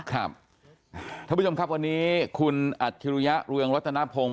ครับท่านผู้ชมครับวันนี้คุณอัธิรุยะรวงรัฐนาพงศ์